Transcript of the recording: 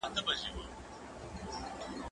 زه سبا ته فکر کړی دی!.